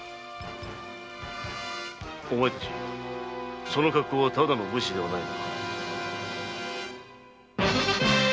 お前たちその格好はただの武士ではないな。